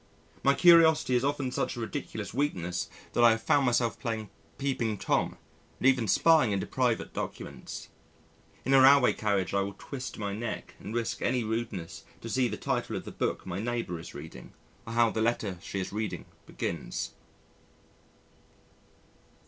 My curiosity is often such a ridiculous weakness that I have found myself playing Peeping Tom and even spying into private documents. In a railway carriage I will twist my neck and risk any rudeness to see the title of the book my neighbour is reading or how the letter she is reading begins.